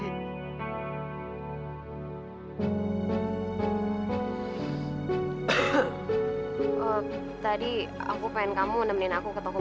tadi aku pengen kamu nemenin aku ke toko